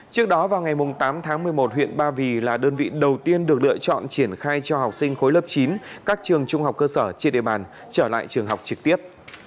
trước đó vào ngày tám tháng một mươi một huyện ba vì là đơn vị đầu tiên được lựa chọn triển khai cho học sinh khối lớp chín các trường trung học cơ sở trên địa bàn trở lại trường học trực tiếp